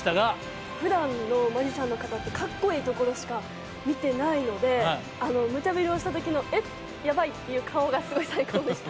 ふだんのマジシャンの方ってかっこいいところしか見てないのでムチャぶりをした時のえっヤバイっていう顔がすごい最高でした。